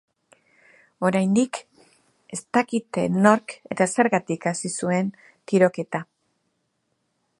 Oraindik ez dakite nork eta zergatik hasi zuen tiroketa.